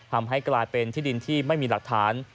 ทำให้กลายเป็นที่ดินที่ไม่มีหลักฐาน